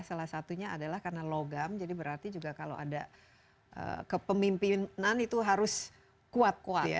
salah satunya adalah karena logam jadi berarti juga kalau ada kepemimpinan itu harus kuat kuat